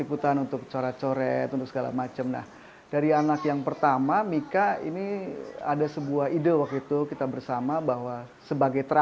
mencorat coret itu dalam arti membuat kesalahan